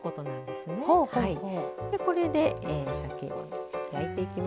でこれでさけを焼いていきます。